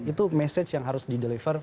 itu message yang harus di deliver